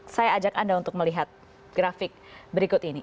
saya ajak anda untuk melihat grafik berikut ini